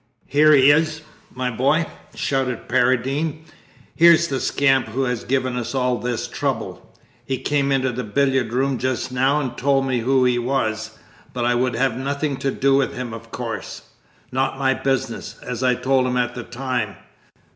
"Here he is, my boy," shouted Paradine; "here's the scamp who has given us all this trouble! He came into the billiard room just now and told me who he was, but I would have nothing to do with him of course. Not my business, as I told him at the time.